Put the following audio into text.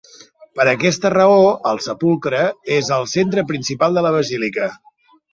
Per aquesta raó el sepulcre és el centre principal de la basílica.